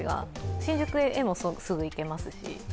新宿へもすぐ行けますし。